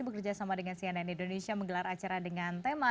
bekerja sama dengan cnn indonesia menggelar acara dengan tema